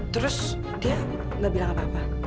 terus dia gak bilang apa apa